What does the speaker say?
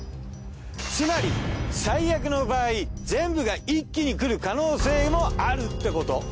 つまり最悪の場合全部が一気に来る可能性もあるってこと。